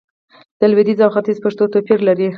د لويديځ او ختيځ پښتو توپير لري